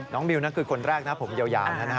น้องมิวคือคนแรกนะครับผมเยานะครับ